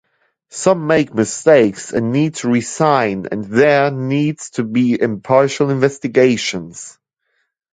Some "make mistakes" and need to resign and there need to be impartial investigations.